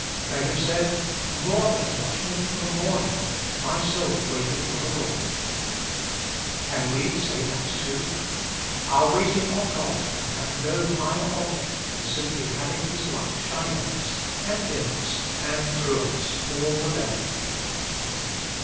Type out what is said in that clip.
They have said, ' More than watchmen 8o WAITING ON GODI for the morniiig, my soul waiteth for the Lord/ Can we say that too ? Our waiting on God can have no higher object than simply having His light shine on as, and in us, and through us, all the day.